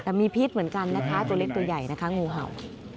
แต่มีพิษเหมือนกันนะคะตัวเล็กตัวใหญ่นะคะงูเห่า